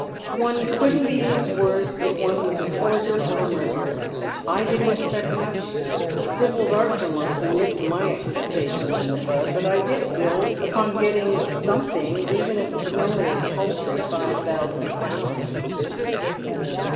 " One couldn't be used worse if one was a forger or a murderer. I didn't expect much. Sibyl's artfulness nipped my expectations in the bud, but I did build upon getting sorue thing, if it was only a paltrj'' five thousand pounds."